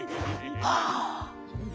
ああ。